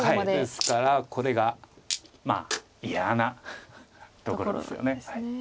ですからこれが嫌なところですよね。